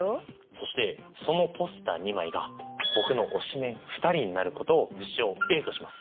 そしてそのポスター２枚が僕の推しメン２人になることを事象Ａとします。